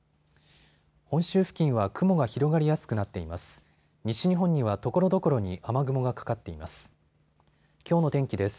本州付近は雲が広がりやすくなっています。